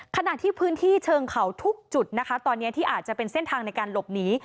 ขณะที่พื้นที่เชิงเขาทุกจุดนะคะตอนนี้ที่อาจจะเป็นเส้นทางในการหลบหนี